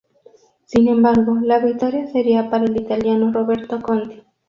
Sin embargo, la victoria sería para el italiano Roberto Conti.